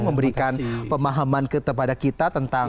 memberikan pemahaman kepada kita tentang